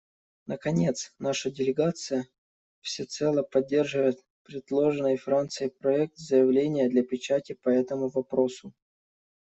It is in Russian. Наконец, наша делегация всецело поддерживает предложенный Францией проект заявления для печати по этому вопросу.